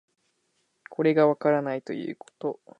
これがわからないことということ